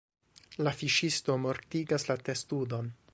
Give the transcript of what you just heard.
La fiŝisto mortigas la testudon.